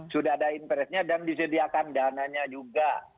sudah ada interestnya dan disediakan dananya juga